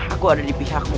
aku ada di pihakmu